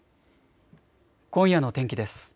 今夜の天気です。